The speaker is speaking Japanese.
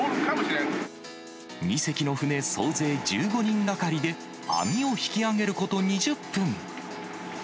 ２隻の船総勢１５人がかりで、網を引き上げること２０分。